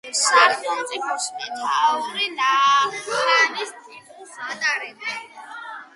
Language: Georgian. სახელმწიფოს მეთაური ხანის ტიტულს ატარებდა.